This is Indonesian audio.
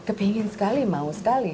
kepingin sekali mau sekali